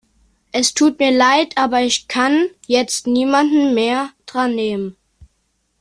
Es tut mir Leid, aber ich kann jetzt niemanden mehr drannehmen.